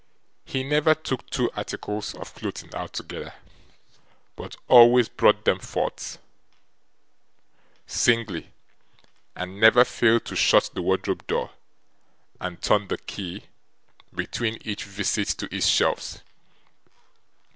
He never took two articles of clothing out together, but always brought them forth, singly, and never failed to shut the wardrobe door, and turn the key, between each visit to its shelves.